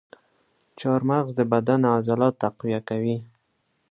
چارمغز د بدن عضلات تقویه کوي.